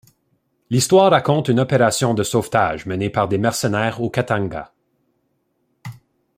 L'histoire raconte une opération de sauvetage menée par des mercenaires au Katanga.